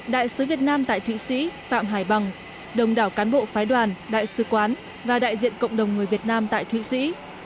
đại sứ việt nam tại thụy sĩ phạm hải bằng đồng đảo cán bộ phái đoàn đại sứ quán và đại diện cộng đồng người việt nam tại thụy sĩ